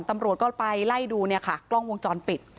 ตำรวจก็ไปไล่ดูกล้องวงจรปิด